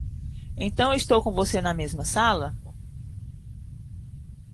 Então estou com você na mesma sala?